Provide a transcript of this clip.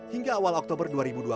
hingga awal oktober dua ribu dua puluh